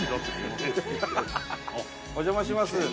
お邪魔します。